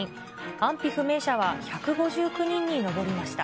安否不明者は１５９人に上りました。